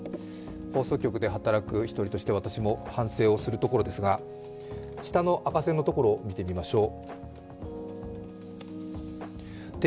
放送局で働く１人として私も反省をするところですが、下の赤線のところを見てみましょう。